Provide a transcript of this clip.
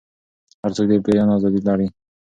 هر څوک د بیان ازادي لري.